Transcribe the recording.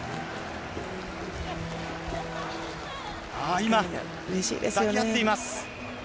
今、抱き合っています。